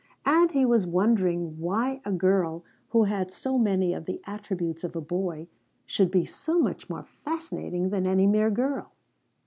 And he was wondering why a girl who had so many of the attributes of a boy should be so much more fascinating than any mere girl.